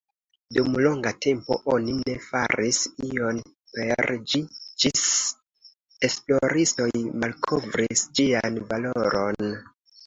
Dum longa tempo oni ne faris ion per ĝi ĝis esploristoj malkovris ĝian valoron.